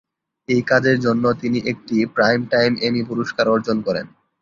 এই কাজের জন্য তিনি একটি প্রাইমটাইম এমি পুরস্কার অর্জন করেন।